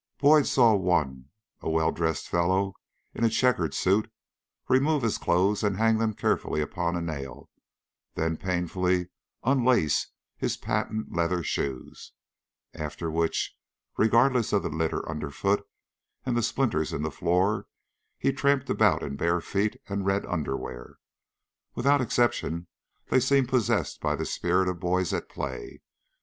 Boyd saw one, a well dressed fellow in a checked suit, remove his clothes and hang them carefully upon a nail, then painfully unlace his patent leather shoes, after which, regardless of the litter under foot and the splinters in the floor, he tramped about in bare feet and red underwear. Without exception, they seemed possessed by the spirit of boys at play.